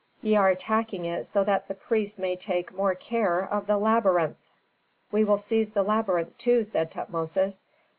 Ye are attacking it so that the priests may take more care of the labyrinth!" "We will seize the labyrinth, too," said Tutmosis.